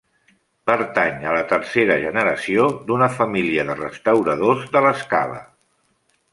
Pertany a la tercera generació d’una família de restauradors de l’Escala.